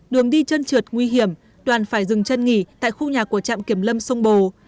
đường đi chân trượt nguy hiểm đoàn phải dừng chân nghỉ tại khu nhà của trạm kiểm lâm sông bồ